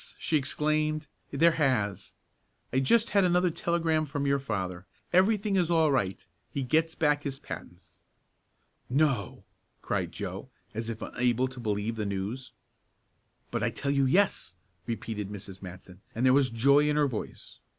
she exclaimed, "there has. I just had another telegram from your father. Everything is all right. He gets back his patents." "No!" cried Joe, as if unable to believe the news. "But I tell you yes!" repeated Mrs. Matson, and there was joy in her voice.